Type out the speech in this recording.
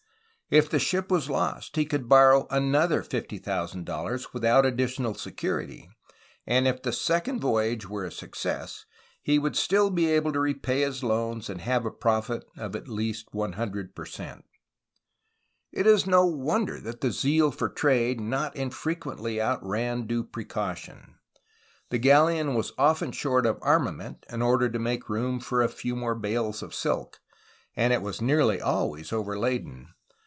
If the ship was lost, he could borrow another $50,000, without additional security, and if the second voyage were a success he would still be able to repay his loans, and have a profit of at least 100 per cent. It is no wonder that zeal for trade not infrequently out ran due precaution. The galleon was often short of arma ment, in order to make room for a few more bales of silk, and it was nearly always overladen.